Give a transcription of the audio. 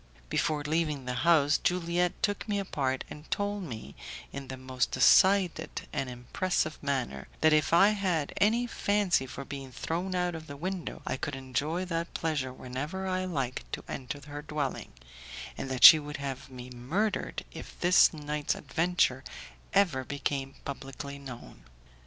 Before leaving the house, Juliette took me apart, and told me, in the most decided and impressive manner, that if I had any fancy for being thrown out of the window, I could enjoy that pleasure whenever I liked to enter her dwelling, and that she would have me murdered if this night's adventure ever became publicly known.